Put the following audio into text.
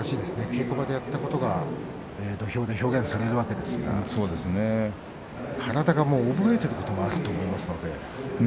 稽古場でやったことが土俵で表現されるわけですが体が覚えていることがあると思いますので。